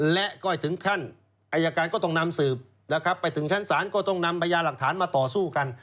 และก็ถึงขั้นอายการก็ต้องนำสืบนะครับไปถึงชั้นศาลก็ต้องนำพยาหลักฐานมาต่อสู้กัน